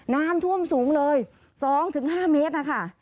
น้ำท่วมสูงเลย๒๕เมตรนะคะ